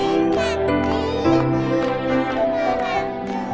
mereka udah makannya banyak ya